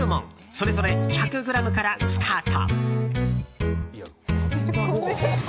それぞれ１００ｇからスタート。